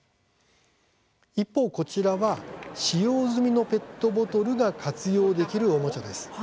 一方、こちらは使用済みのペットボトルが活用できるおもちゃです。